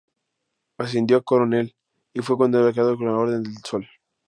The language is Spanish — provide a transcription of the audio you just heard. Ascendió a coronel y fue condecorado con la Orden del Sol.